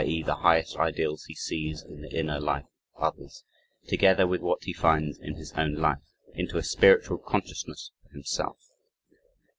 e., the highest ideals he sees in the inner life of others) together with what he finds in his own life into a spiritual consciousness for himself."